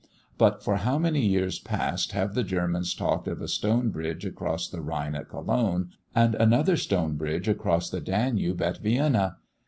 But, for how many years past, have the Germans talked of a stone bridge across the Rhine at Cologne, and another stone bridge across the Danube at Vienna!